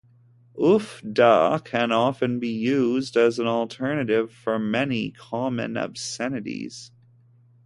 "Uff da" can often be used as an alternative for many common obscenities.